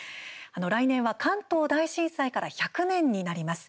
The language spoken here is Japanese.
来年は関東大震災から１００年になります。